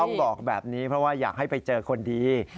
ต้องบอกแบบนี้เพราะว่าอยากให้ไปเจอคนดี